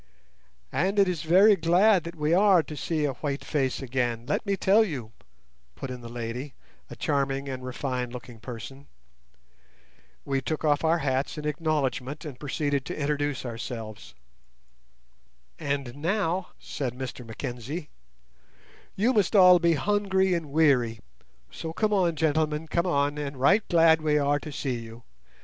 "And it is very glad that we are to see a white face again, let me tell you," put in the lady—a charming and refined looking person. We took off our hats in acknowledgment, and proceeded to introduce ourselves. "And now," said Mr Mackenzie, "you must all be hungry and weary; so come on, gentlemen, come on, and right glad we are to see you.